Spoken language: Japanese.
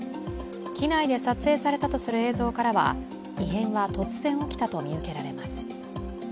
機内で撮影されたとする映像からは異変は突然起きたと見受けられます。